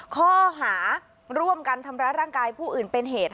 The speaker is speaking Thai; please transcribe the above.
ข้อหาร่วมกันทำร้ายร่างกายผู้อื่นเป็นเหตุ